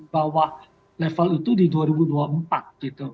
bahwa level itu di dua ribu dua puluh empat gitu